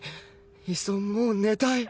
いっそもう寝たい